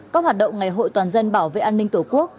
các hoạt động ngày hội toàn dân bảo vệ an ninh tổ quốc